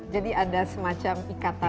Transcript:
jadi ada semacam ikatan